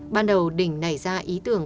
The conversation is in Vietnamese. ban đầu đình nảy ra ý tưởng